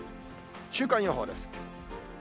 週間予報です。